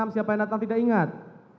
siapa yang datang tidak ingat